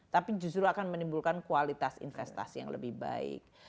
tapi justru akan menimbulkan kualitas investasi yang lebih baik